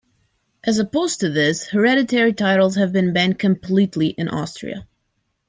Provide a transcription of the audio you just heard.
As opposed to this, hereditary titles have been banned completely in Austria.